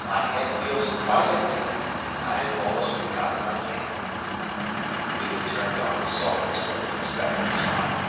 My head feels quite empty. I've almost forgotten my name." He would turn to Uncle Salters with an expectant smile.